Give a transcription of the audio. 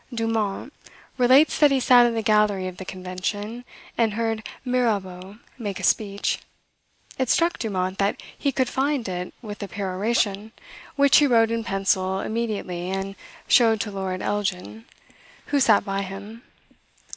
Dumont relates that he sat in the gallery of the Convention, and heard Mirabeau make a speech. It struck Dumont that he could fit it with a peroration, which he wrote in pencil immediately, and showed to Lord Elgin, who sat by him.